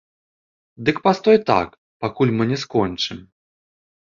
Дык пастой так, пакуль мы не скончым.